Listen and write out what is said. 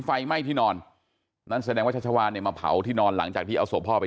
ไฟไหม้ที่นอนนั่นแสดงว่าชัชวานเนี่ยมาเผาที่นอนหลังจากที่เอาศพพ่อไป